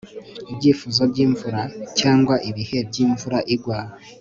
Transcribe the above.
ibyifuzo by'imvura, cyangwa ibihe by'imvura igwa